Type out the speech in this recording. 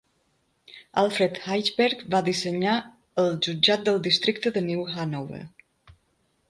Alfred Eichberg va dissenyar el jutjat del districte de New Hanover.